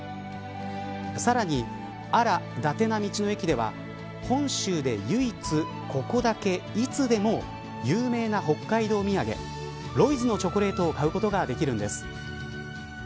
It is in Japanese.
さらにあ・ら・伊達な道の駅では本州で唯一ここだけ、いつでも有名な北海道土産ロイズのチョコレートを買うことができるんです。